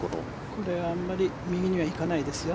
これあまり右にはいかないですよ。